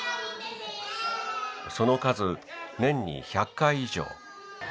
その数年に１００回以上。